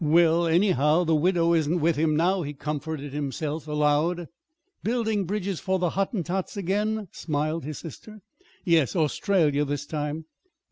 "Well, anyhow, the widow isn't with him now," he comforted himself aloud. "Building bridges for the Hottentots again?" smiled his sister. "Yes. Australia this time."